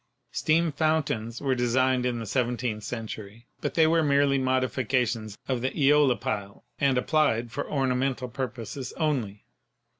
Steam fountains were de signed in the seventeenth century, but they were merely modifications of the eolipile and applied for ornamental purposes only.